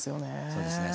そうですね。